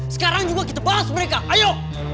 sekarang juga kita bahas mereka ayo